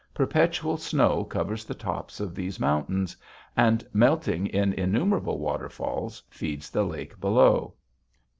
Perpetual snow covers the tops of these mountains, and, melting in innumerable waterfalls, feeds the lake below.